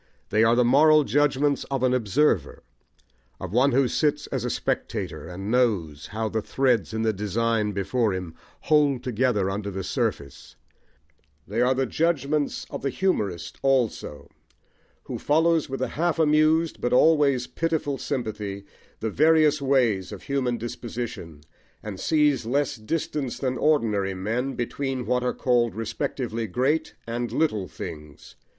They are the moral judgments of an observer, of one who sits as a spectator, and knows how the threads in the design before him hold together under the surface: they are the judgments of the humourist also, who follows with a half amused but always pitiful sympathy, the various ways of human disposition, and sees less distance than ordinary men between what are called respectively great and little things.